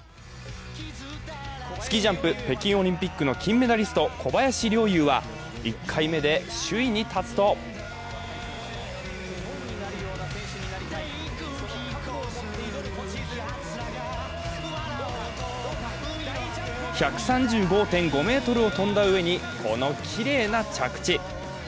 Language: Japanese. スキージャンプ、北京オリンピックの金メダリスト、小林陵侑は１回目で首位に立つと１３５．５ｍを飛んだうえに、このきれいな着地。